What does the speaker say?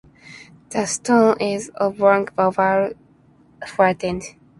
The stone is oblong oval, flattened.